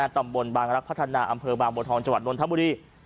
ตำบลบางรักษณะอำเภอบางบัวทองจนธมบุรี